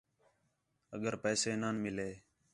اگر پیسے نان مِلے